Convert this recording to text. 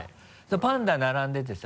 パンダ並んでてさ。